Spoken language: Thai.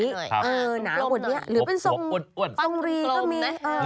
น้ากว่านี้หรือเป็นทรงฟรีเค้ามี